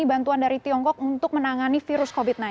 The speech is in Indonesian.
bantuan dari tiongkok untuk menangani virus covid sembilan belas